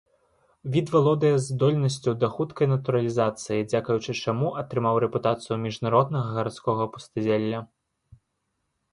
Від валодае здольнасцю да хуткай натуралізацыі, дзякуючы чаму атрымаў рэпутацыю міжнароднага гарадскога пустазелля.